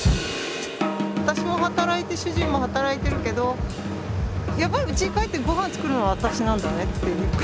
私も働いて主人も働いてるけどやっぱりうち帰ってご飯作るのは私なんだねっていうか。